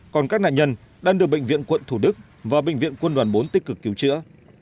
còn các nạn nhân đang được bệnh viện quận thủ đức và bệnh viện quân đoàn bốn tích cực cứu chữa